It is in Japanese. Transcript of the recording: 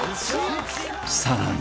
［さらに］